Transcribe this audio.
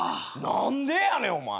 何でやねんお前。